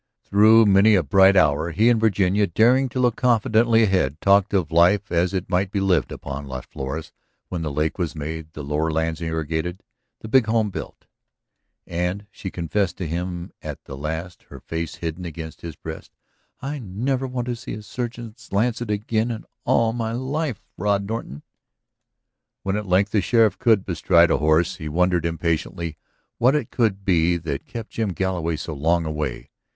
Through many a bright hour he and Virginia, daring to look confidently ahead, talked of life as it might be lived upon Las Flores when the lake was made, the lower lands irrigated, the big home built. "And," she confessed to him at the last, her face hidden against his breast, "I never want to see a surgeon's lancet again in all of my life, Rod Norton!" When at length the sheriff could bestride a horse he wondered impatiently what it could be that kept Jim Galloway so long away.